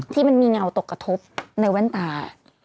ที่มันมีเงาตกกระทบในแว่นตา